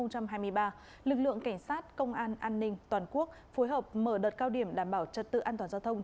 cảnh sát công an an ninh toàn quốc phối hợp mở đợt cao điểm đảm bảo chất tự an toàn giao thông